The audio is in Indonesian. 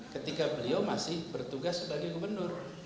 ketika beliau masih bertugas sebagai gubernur